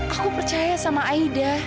aku percaya sama aida